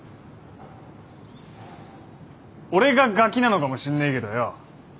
俺がガキなのかもしんねえけどよ。